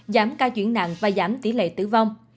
giảm ca chuyển nặng và giảm tỷ lệ tử vong